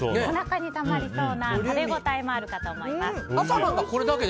おなかにたまりそうな食べ応えもあるかと思います。